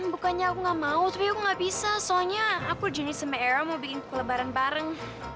bukannya aku gak mau tapi aku gak bisa soalnya aku jenis sama era mau bikin kelebaran bareng